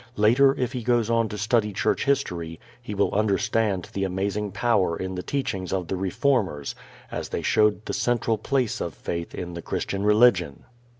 Later if he goes on to study church history he will understand the amazing power in the teachings of the Reformers as they showed the central place of faith in the Christian religion.